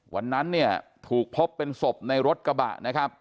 วันนั้นเนี่ยถูกพบเป็นศพในรถกระบะนะครับ